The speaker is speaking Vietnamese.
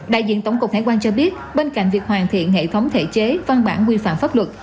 đại diện tổng cục hải quan cho biết bên cạnh việc hoàn thiện hệ thống thể chế văn bản quy phạm pháp luật